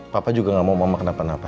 papa juga gak mau mama kenapa napa